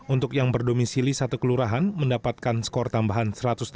untuk yang berdomisili satu kelurahan mendapatkan skor tambahan satu ratus enam puluh